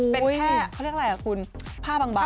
เป็นแค่เขาเรียกอะไรกับคุณ